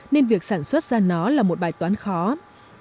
nên việc sản xuất ra nó là một bài toán khó